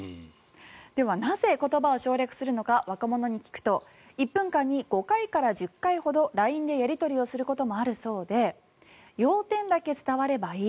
では、なぜ言葉を省略するのか若者に聞くと１分間に５回から１０回ほどＬＩＮＥでやり取りすることもあるそうで要点だけ伝わればいい。